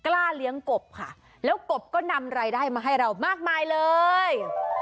กล้าเลี้ยงกบค่ะแล้วกบก็นำรายได้มาให้เรามากมายเลย